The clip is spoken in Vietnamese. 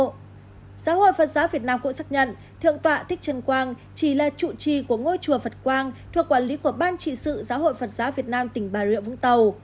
giáo hội phật giáo việt nam cũng xác nhận thượng tọa thích trân quang chỉ là chủ trì của ngôi chùa phật quang thuộc quản lý của ban trị sự giáo hội phật giáo việt nam tỉnh bà rịa vũng tàu